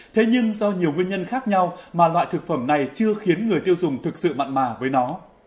thế nhưng do nhiều nguyên nhân khác nhau mà loại thực phẩm này chưa khiến người tiêu dùng thực sự mặn mà với nó